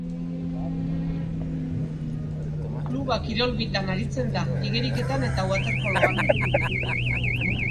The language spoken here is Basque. Klubak kirol bitan aritzen du: igeriketa eta waterpolo.